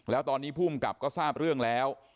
แล้วตอนนี้ภูมิกับก็ทราบเรื่องแล้ว